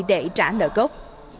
để trả nợ gốc